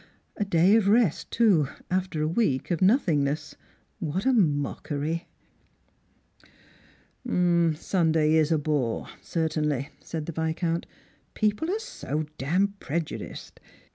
A day of rest, too, after a week of nothingness. What a mockery !"" Sunday is a bore, certainly," said the Viscount. " People are so dam preiudiced.